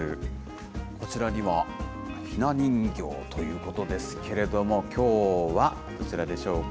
こちらには、ひな人形ということですけれども、きょうはどちらでしょうか。